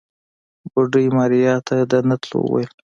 بوډۍ ماريا ته د نه تلو وويل.